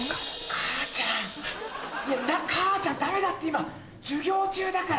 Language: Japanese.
母ちゃんダメだって今授業中だから。